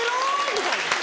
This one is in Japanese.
みたいな。